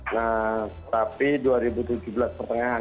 nah tapi dua ribu tujuh belas pertengahan